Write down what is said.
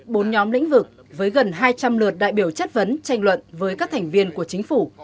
bốn nhóm lĩnh vực với gần hai trăm linh lượt đại biểu chất vấn tranh luận với các thành viên của chính phủ